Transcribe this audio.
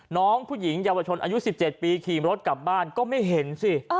น้องผู้หญิงเยาวชนอายุ๑๗ปีขี่รถกลับบ้านก็ไม่เห็นสิ